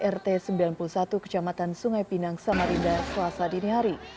rt sembilan puluh satu kecamatan sungai pinang samarinda selasa dini hari